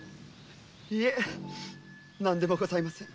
いえ何でもございません。